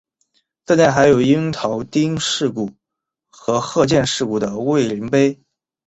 寺内还有樱木町事故和鹤见事故的慰灵碑。